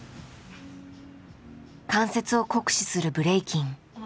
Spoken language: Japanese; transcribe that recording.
関節を酷使するブレイキン。